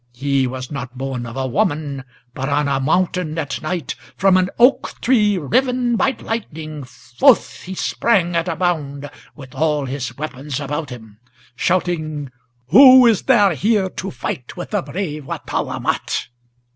He was not born of a woman, But on a mountain, at night, from an oak tree riven by lightning, Forth he sprang at a bound, with all his weapons about him, Shouting, 'Who is there here to fight with the brave Wattawamat?'"